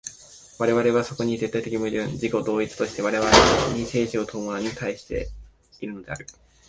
我々はそこに絶対矛盾的自己同一として、我々に生死を問うものに対しているのである。